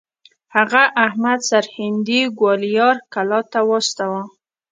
هغه احمد سرهندي ګوالیار کلا ته واستوه.